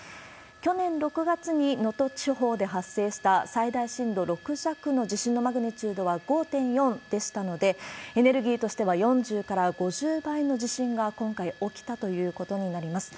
去年６月に能登地方で発生した最大震度６弱の地震のマグニチュードは５．４でしたので、エネルギーとしては４０から５０倍の地震が今回起きたということになります。